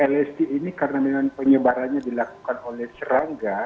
lsd ini karena memang penyebarannya dilakukan oleh serangga